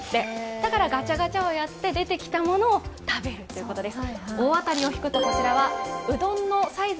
だからガチャガチャをやって出てきたものを食べるんだそうです。